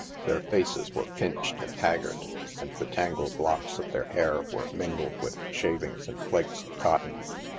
Their faces were pinched and haggard, and the taugled locks of their hair were mingled with shavings and flakes of cotton.